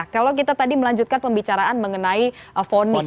kalau kita tadi melanjutkan pembicaraan mengenai fonis